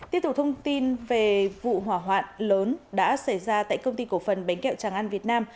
tiếp tục thông tin về vụ hỏa hoạn lớn đã xảy ra tại công ty cổ phần bánh kẹo tràng an việt nam